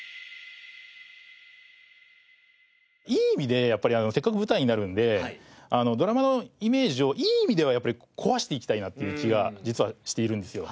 いい意味でやっぱりせっかく舞台になるんでドラマのイメージをいい意味でやっぱり壊していきたいなっていう気が実はしているんですよ。